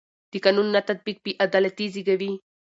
د قانون نه تطبیق بې عدالتي زېږوي